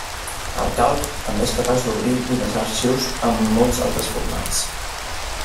El Calc també és capaç d'obrir i desar arxius en molts altres formats.